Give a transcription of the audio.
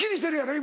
今。